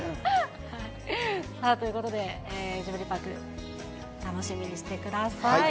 さあ、ということで、ジブリパーク、楽しみにしてください。